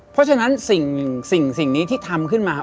เพราะฉะนั้นสิ่งนี้ที่ทำขึ้นมาครับ